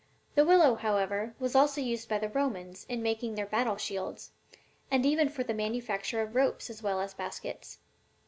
The willow, however, was also used by the Romans in making their battle shields, and even for the manufacture of ropes as well as baskets.